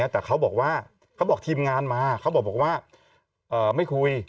แต่เขาบอกว่าเขาบอกทีมงานมาเขาบอกว่าไม่คุย